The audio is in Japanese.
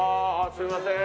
すいません。